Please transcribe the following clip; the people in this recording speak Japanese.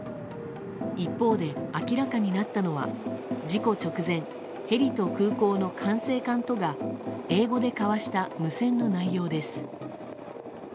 一方で明らかになったのは事故直前ヘリと空港の管制官とが英語で交わした無線の内容です。